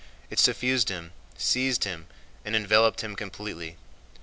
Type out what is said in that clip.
It suffused him, seized him, and enveloped him completely.